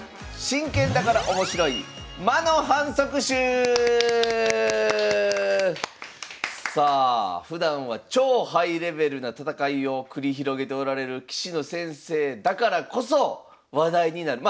今日の特集はさあふだんは超ハイレベルな戦いを繰り広げておられる棋士の先生だからこそ話題になる。